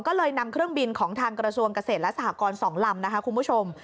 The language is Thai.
ก็เลยนำเครื่องบินของทางกระทรวงเกษตรและสหกร๒ลำนะคะคุณผู้ชม